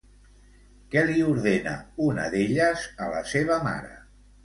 Què li ordena una d'elles a la seva mare?